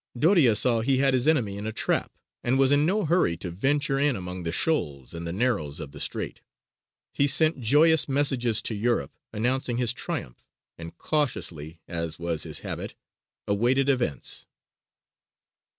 Doria saw he had his enemy in a trap, and was in no hurry to venture in among the shoals and narrows of the strait. He sent joyous messages to Europe, announcing his triumph, and cautiously, as was his habit, awaited events.